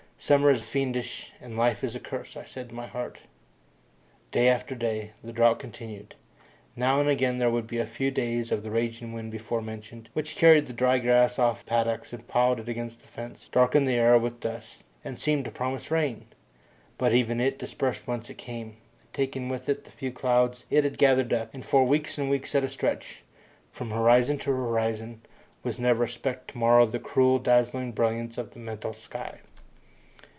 Summer is fiendish and life is a curse, I said in my heart. Day after day the drought continued. Now and again there would be a few days of the raging wind before mentioned, which carried the dry grass off the paddocks and piled it against the fences, darkened the air with dust, and seemed to promise rain, but ever it dispersed whence it came, taking with it the few clouds it had gathered up; and for weeks and weeks at a stretch, from horizon to horizon, was never a speck to mar the cruel dazzling brilliance of the metal sky.